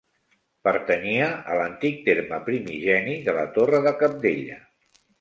Pertanyia a l'antic terme primigeni de la Torre de Cabdella.